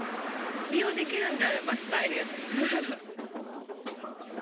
利用できるのであればしたいです。